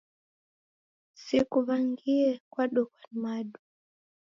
Sikuw'angie kwadokwa ni madu!